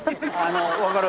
分かる？